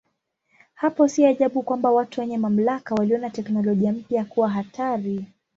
Hapo si ajabu kwamba watu wenye mamlaka waliona teknolojia mpya kuwa hatari.